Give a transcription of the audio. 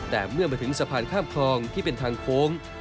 แต่เมื่อมาถึงสะพานข้ามคลองที่เป็นทางโค้ง